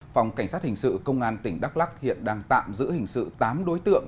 phòng cảnh sát hình sự công an tỉnh đắk lắc hiện đang tạm giữ hình sự tám đối tượng